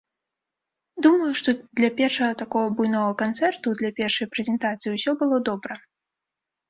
Думаю, што для першага такога буйнога канцэрту, для першай прэзентацыі, усё было добра.